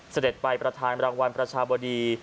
เสด็จไปประธานรางวัลประชาบดี